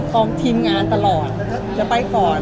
ทีมงานตลอดจะไปก่อน